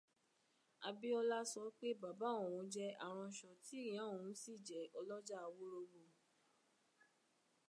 Abíọ́lá sọ pé bàbá òun jẹ́ aránṣọ, tí ìyá òun sì jẹ́ ọlọ́jà wóróbo.